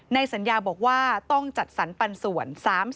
สัญญาบอกว่าต้องจัดสรรปันส่วน๓๐